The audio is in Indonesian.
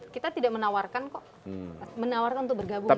kita tidak menawarkan kok menawarkan